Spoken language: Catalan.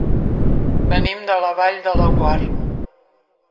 Venim de la Vall de Laguar.